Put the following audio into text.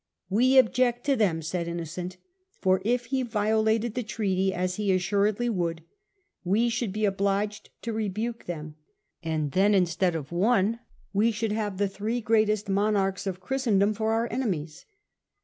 " We object to them," said Innocent, " for if he violated the treaty, as he assuredly would, we should be obliged to rebuke them ; and then, instead of one, we should have the three greatest monarchs of Christendom for our enemies."